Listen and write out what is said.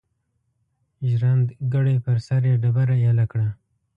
ژرندګړی پر سر یې ډبره ایله کړه.